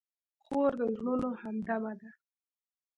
خور د زړونو همدمه ده.